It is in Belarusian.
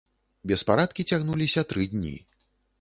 Беспарадкі цягнуліся тры дні.